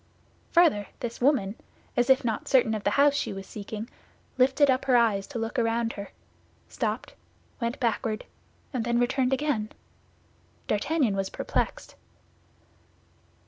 Further, this woman, as if not certain of the house she was seeking, lifted up her eyes to look around her, stopped, went backward, and then returned again. D'Artagnan was perplexed.